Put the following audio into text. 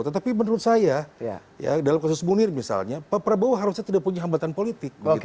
tetapi menurut saya dalam kasus munir misalnya pak prabowo harusnya tidak punya hambatan politik